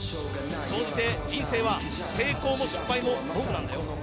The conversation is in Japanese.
総じて人生は成功も失敗もそうなんだよ。